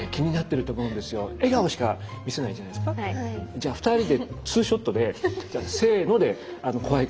じゃあ２人でツーショットでせので怖い顔してみて下さい。